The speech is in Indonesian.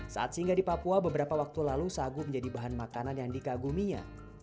saat singgah di papua beberapa waktu lalu sagu menjadi bahan makanan yang dikaguminya